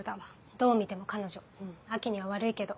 どう見ても彼女亜季には悪いけど。